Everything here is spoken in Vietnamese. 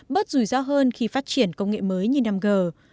bớt rủi ro hơn khi phát triển công nghệ mới như năm g